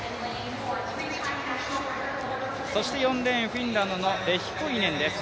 ４レーン、フィンランドのレヒコイネンです。